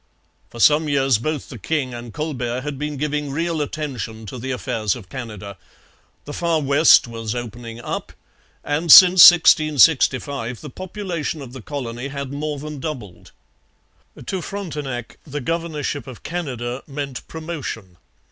For some years both the king and Colbert had been giving real attention to the affairs of Canada. The Far West was opening up; and since 1665 the population of the colony had more than doubled. To Frontenac the governorship of Canada meant promotion.